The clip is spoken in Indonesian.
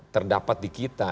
terdapat di kita